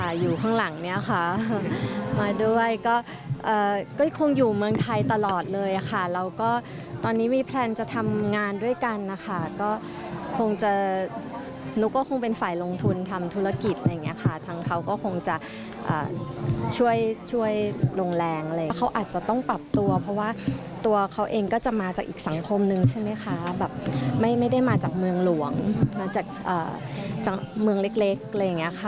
อยู่ข้างหลังเนี้ยค่ะมาด้วยก็เอ่อก็คงอยู่เมืองไทยตลอดเลยค่ะแล้วก็ตอนนี้มีแพลนจะทำงานด้วยกันนะคะก็คงจะนุ๊กก็คงเป็นฝ่ายลงทุนทำธุรกิจอะไรอย่างเงี้ยค่ะทั้งเขาก็คงจะช่วยช่วยลงแรงอะไรอย่างเงี้เขาอาจจะต้องปรับตัวเพราะว่าตัวเขาเองก็จะมาจากอีกสังคมนึงใช่ไหมคะแบบไม่ไม่ได้มาจากเมืองหลวงมาจากเมืองเล็กเล็กอะไรอย่างเงี้ยค่ะ